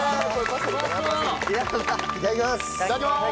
いただきます！